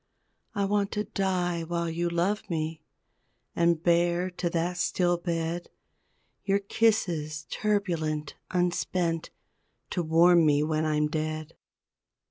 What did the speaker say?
I want to die while you love me, And bear to that still bed, Your kisses turbulent, unspent To warm me when I'm dead.